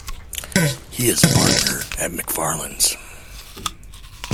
He is a partner at Macfarlanes.